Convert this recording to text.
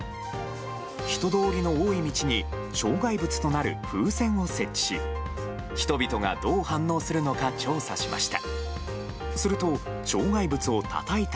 人通りの多い道に障害物となる風船を設置し人々がどう反応するのか調査しました。